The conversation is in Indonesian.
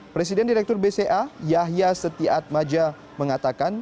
presiden direktur bca yahya setiat maja mengatakan